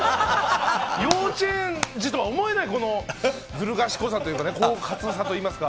幼稚園児とは思えないずる賢さというかね、狡猾さといいますか。